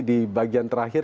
di bagian terakhir